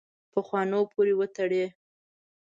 پخوانو پورې وتړي.